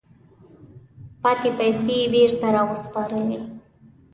پاتې پیسې یې بیرته را وسپارلې.